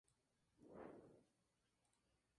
Se encuentra retirado del servicio.